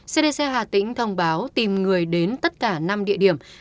cdc hà tĩnh thông báo tìm người đến tất cả năm địa điểm